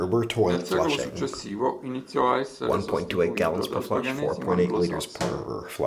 Nel secolo successivo iniziò a essere sostituito dal paganesimo anglosassone.